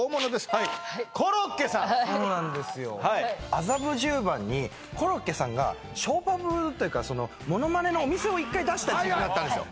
麻布十番にコロッケさんがショーパブというかものまねのお店を一回出した時期があったんですよ